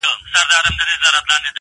• ته نو اوس راسه، له دوو زړونو تار باسه.